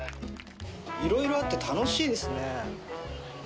いろいろあって楽しいですね。